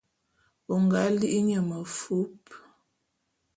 O nga li nye mefup.